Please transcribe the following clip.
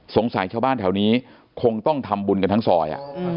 ชาวบ้านแถวนี้คงต้องทำบุญกันทั้งซอย